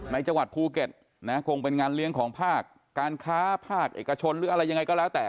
ในจังหวัดภูเก็ตนะคงเป็นงานเลี้ยงของภาคการค้าภาคเอกชนหรืออะไรยังไงก็แล้วแต่